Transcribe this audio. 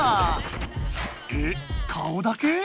えっ顔だけ？